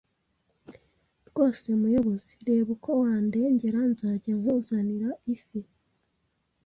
Rwose muyobozi reba uko wandengera nzajya nkuzanira ifi